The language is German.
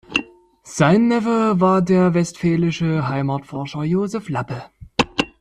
Sein Neffe war der westfälische Heimatforscher Josef Lappe.